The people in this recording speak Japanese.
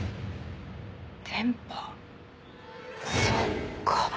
そっか。